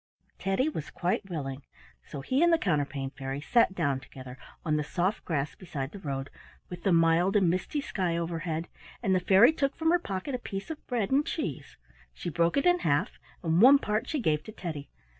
Teddy was quite willing, so he and the Counterpane Fairy sat down together on the soft grass beside the road, with the mild and misty sky overhead, and the fairy took from her pocket a piece of bread and cheese; she broke it in half and one part she gave to Teddy.